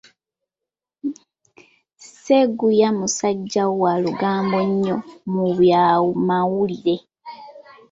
Sseguya musajja wa lugambo nnyo mu byamawulire.